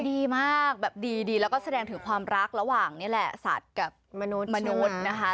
ดีมากแบบดีแล้วก็แสดงถึงความรักระหว่างนี่แหละสัตว์กับมนุษย์นะคะ